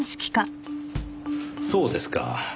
そうですか。